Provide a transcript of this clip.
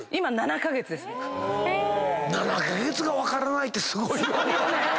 ７カ月が分からないってすごいよね。